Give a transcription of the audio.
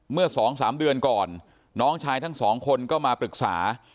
เมื่อ๒๓เดือนก่อนน้องชายทั้งสองคนก็มาปรึกษา